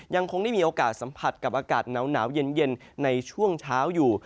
ยังคงได้มีโอกาสสัมผัสกับอากาศหนาวเย็นในช่วงเช้าอยู่